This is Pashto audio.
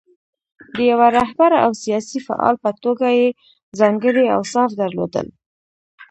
د یوه رهبر او سیاسي فعال په توګه یې ځانګړي اوصاف درلودل.